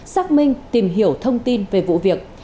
xác minh tìm hiểu thông tin về vụ việc